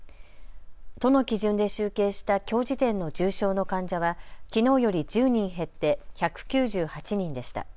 都の基準で集計したきょう時点の重症の患者は、きのうより１０人減って１９８人でした。